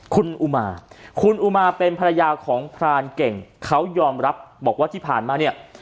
คุณอุมาคุณอุมาเป็นภรรยาของพรานเก่งเขายอมรับบอกว่าที่ผ่านมาเนี่ย